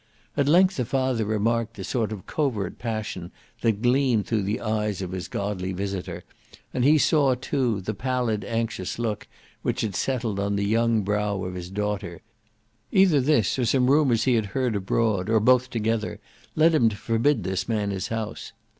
At length the father remarked the sort of covert passion that gleamed through the eyes of his godly visitor, and he saw too, the pallid anxious look which had settled on the young brow of his daughter; either this, or some rumours he had heard abroad, or both together, led him to forbid this man his house.